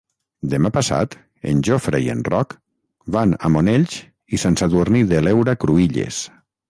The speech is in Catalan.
Demà passat en Jofre i en Roc van a Monells i Sant Sadurní de l'Heura Cruïlles.